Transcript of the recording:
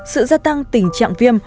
sự gia tăng tình trạng viêm